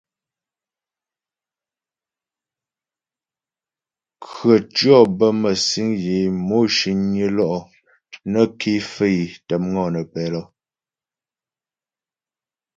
Khətʉɔ̌ bə mə́sîŋ yə é mò ciŋnyə lo'o nə́ ké faə́ é tə́ ŋɔnə́pɛ lə.